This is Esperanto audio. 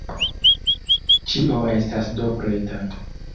Ĉio estas do preta.